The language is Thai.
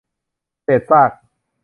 เศษซาก